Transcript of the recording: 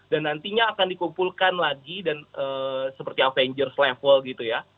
nantinya akan dikumpulkan lagi dan seperti avengers level gitu ya